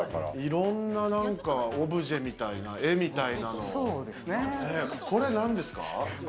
いろんなオブジェみたいな絵みたいの、これはなんですか？